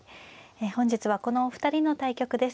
本日はこのお二人の対局です。